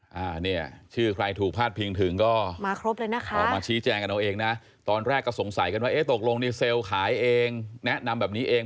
อ่าเนี่ยชื่อใครถูกพาดพิงถึงก็มาครบเลยนะคะออกมาชี้แจงกันเอาเองนะตอนแรกก็สงสัยกันว่าเอ๊ะตกลงดีเซลล์ขายเองแนะนำแบบนี้เอง